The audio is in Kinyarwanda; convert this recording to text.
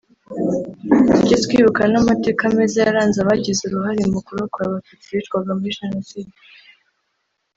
tujye twibuka n’amateka meza yaranze abagize uruhare mu kurokora Abatutsi bicwaga muri Jenoside